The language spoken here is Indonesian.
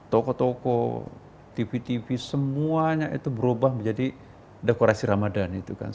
toko toko tv tv semuanya itu berubah menjadi dekorasi ramadhan